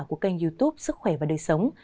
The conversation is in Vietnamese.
của kênh youtube sức khỏe và đời sống